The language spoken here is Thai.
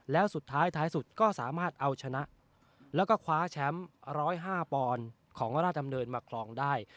แล้วสุดท้ายท้ายสุดก็สามารถเอาชนะแล้วก็คว้าแชมป์๑๐๕ปอนด์ของราชดำเนินมาครองได้